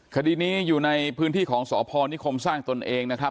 คดีนี้อยู่ในพื้นที่ของสพนิคมสร้างตนเองนะครับ